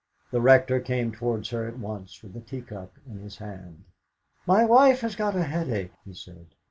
The Rector came towards her at once with a teacup in his hand. "My wife has got a headache," he said.